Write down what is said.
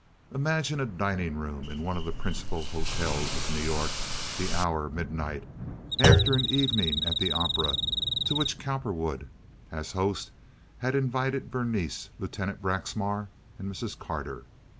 Imagine a dining room in one of the principal hotels of New York, the hour midnight, after an evening at the opera, to which Cowperwood, as host, had invited Berenice, Lieutenant Braxmar, and Mrs. Carter.